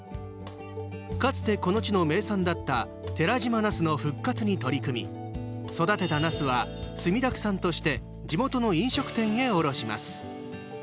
かつてこの地の名産だった寺島なすの復活に取り組み育てたなすは、墨田区産として地元の飲食店へ卸します。